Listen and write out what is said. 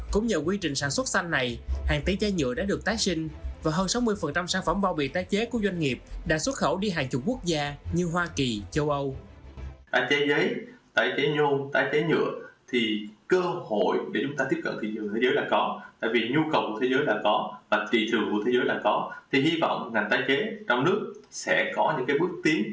cũng nhờ quy trình sản xuất xanh này hàng tí chế nhựa đã được tái sinh và hơn sáu mươi sản phẩm bao bị tái chế của doanh nghiệp đã xuất khẩu đi hàng chục quốc gia như hoa kỳ châu âu